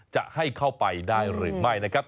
จะให้เข้าไปได้หรือไม่นะครับ